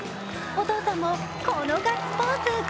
お父さんも、このガッツポーズ。